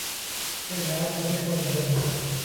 ใช่แล้วเธอไม่ควรเดิน